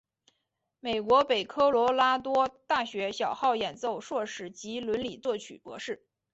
美国北科罗拉多大学小号演奏硕士及理论作曲博士。